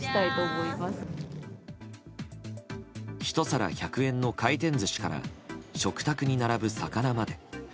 １皿１００円の回転寿司から食卓に並ぶ魚まで。